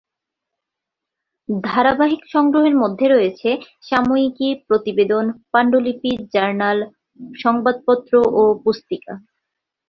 ধারাবাহিক সংগ্রহের মধ্যে রয়েছে সাময়িকী, প্রতিবেদন, পাণ্ডুলিপি, জার্নাল, সংবাদপত্র ও পুস্তিকা।